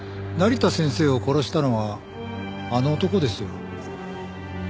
成田先生を殺したのはあの男ですよ。